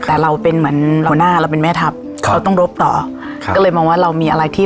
แต่เราเป็นเหมือนเราหน้าเราเป็นแม่ทัพครับเราต้องรบต่อค่ะก็เลยมองว่าเรามีอะไรที่